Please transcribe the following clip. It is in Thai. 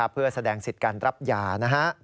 เพื่อแสดงสิทธิ์การรับยานะฮะ